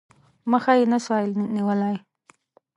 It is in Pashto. مخه یې نه سوای نیولای.